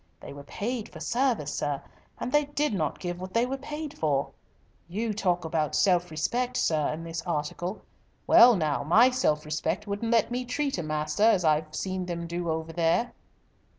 They were paid for service, sir, and they did not give what they were paid for. You talk about self respect, sir, in this article. Well now, my self respect wouldn't let me treat a master as I've seen them do over there."